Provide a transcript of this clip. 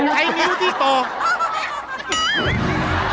ใช้นิ้วที่สอง